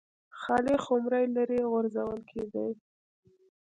خالي خُمرې لرې غورځول کېدې